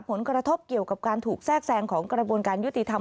ผลกระทบเกี่ยวกับการถูกแทรกแซงของกระบวนการยุติธรรม